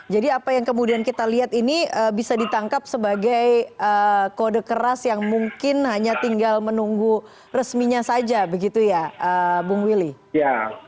jadi apa yang kemudian kita lihat ini bisa ditangkap sebagai kode keras yang mungkin hanya tinggal menunggu resminya saja begitu ya bung willy